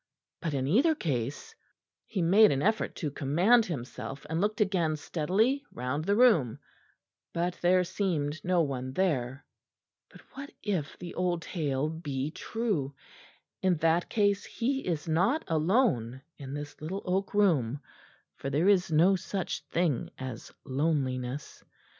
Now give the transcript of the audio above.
But in either case He made an effort to command himself, and looked again steadily round the room; but there seemed no one there. But what if the old tale be true? In that case he is not alone in this little oak room, for there is no such thing as loneliness.